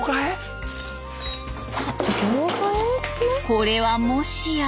これはもしや。